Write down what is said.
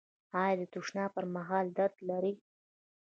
ایا د تشناب پر مهال درد لرئ؟